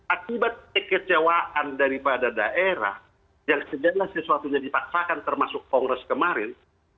akibat kekecewaan daripada daerah yang segala sesuatunya dipaksakan termasuk kongres kemarin